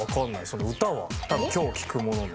その歌は今日聴くものの。